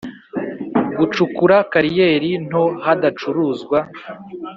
gucukura kariyeri nto hadacuruzwa